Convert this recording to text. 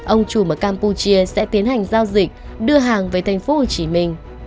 ông trùm ở campuchia sẽ tiến hành giao dịch đưa hàng về thành phố hồ chí minh